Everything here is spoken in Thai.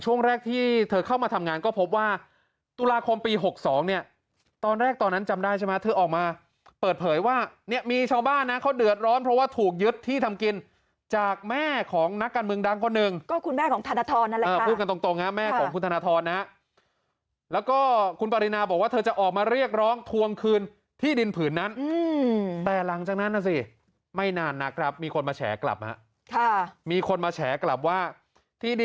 ผู้กล้าที่เสียสลัดจากคุณปารินาครับบอกว่าคุณปารินาครับบอกว่าคุณผู้กล้าที่เสียสลัดจากคุณปารินาครับบอกว่าคุณผู้กล้าที่เสียสลัดจากคุณปารินาครับบอกว่าคุณผู้กล้าที่เสียสลัดจากคุณปารินาครับบอกว่าคุณผู้กล้าที่เสียสลัดจากคุณปารินาครับบอกว่าคุณผู้กล้าที่เสียสลัดจากคุณปารินา